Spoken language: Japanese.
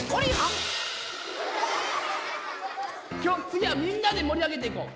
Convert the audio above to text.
次はみんなで盛り上げていこう。